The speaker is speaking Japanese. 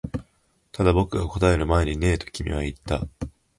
ただ、僕が答える前にねえと君は言った